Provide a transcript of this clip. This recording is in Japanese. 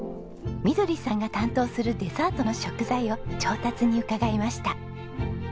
みどりさんが担当するデザートの食材を調達に伺いました。